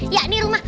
ya ini rumah